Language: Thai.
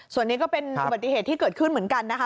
ส่วนนี้ก็เป็นอุบัติเหตุที่เกิดขึ้นเหมือนกันนะคะ